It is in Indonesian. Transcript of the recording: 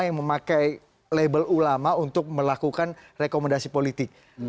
yang memakai label ulama untuk melakukan rekomendasi politik